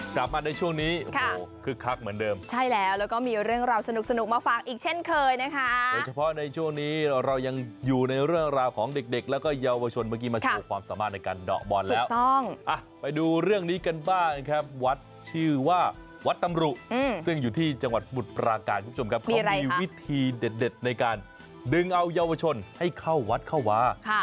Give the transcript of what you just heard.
กลับมาในช่วงนี้คือคลักเหมือนเดิมใช่แล้วแล้วก็มีเรื่องราวสนุกมาฝากอีกเช่นเคยนะคะเฉพาะในช่วงนี้เรายังอยู่ในเรื่องราวของเด็กแล้วก็เยาวชนเมื่อกี้มาสู่ความสามารถในการดอกบอลแล้วไปดูเรื่องนี้กันบ้างครับวัดชื่อว่าวัดตำรุซึ่งอยู่ที่จังหวัดสมุทรปราการที่มีวิธีเด็ดในการดึงเอายาววชนให้เข้า